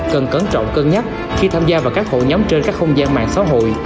cần cẩn trọng cân nhắc khi tham gia vào các hội nhóm trên các không gian mạng xã hội